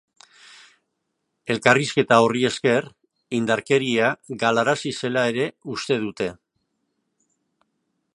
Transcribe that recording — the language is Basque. Elkarrizketa horri esker indarkeria galarazi zela ere uste dute.